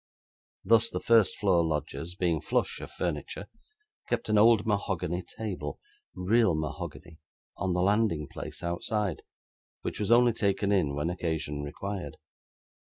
Thus, the first floor lodgers, being flush of furniture, kept an old mahogany table real mahogany on the landing place outside, which was only taken in, when occasion required.